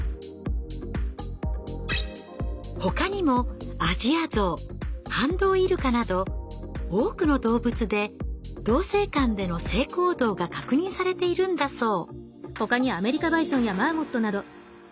他にもアジアゾウハンドウイルカなど多くの動物で同性間での性行動が確認されているんだそう。